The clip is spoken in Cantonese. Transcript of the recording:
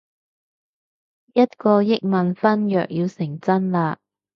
一個億萬婚約要成真喇